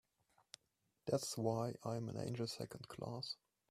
That's why I'm an angel Second Class.